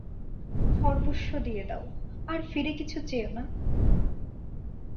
সর্বস্ব দিয়ে দাও, আর ফিরে কিছু চেও না।